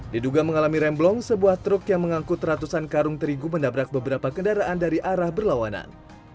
diduga mengalami remblong sebuah truk yang mengangkut ratusan karung terigu menabrak beberapa kendaraan dari arah berlawanan